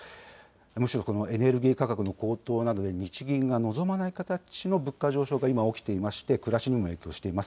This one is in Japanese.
むしろこのエネルギー価格の高騰などで、日銀が望まない形の物価上昇が今起きていまして、暮らしにも影響しています。